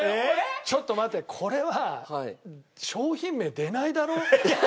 ちょっと待ってこれは商品名出ないだろ。